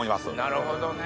なるほどね。